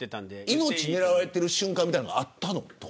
命を狙われた瞬間みたいなのがあったの。